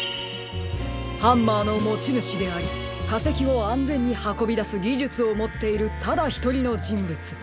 ハンマーのもちぬしでありかせきをあんぜんにはこびだすぎじゅつをもっているただひとりのじんぶつ。